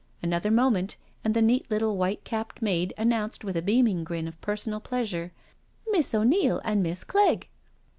Another moment and the neat little white capped maid announced with a beaming grin of personal pleasure :." Miss O'Neil and Miss Clegg."